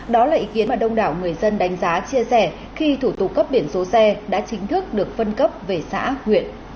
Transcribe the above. đó là ý kiến mà đông đảo người dân đánh giá chia sẻ khi thủ tục cấp biển số xe đã chính thức được phân cấp về xã huyện